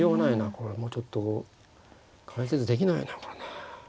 これもうちょっと解説できないなこれね。